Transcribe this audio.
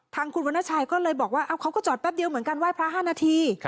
ทางคุณวรรณชัยก็เลยบอกว่าเขาก็จอดแป๊บเดียวเหมือนกันไห้พระ๕นาที